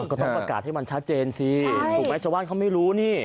ก็ต้องประกาศให้มันชัดเจนสิถูกไหมชาวบ้านเขาไม่รู้นี่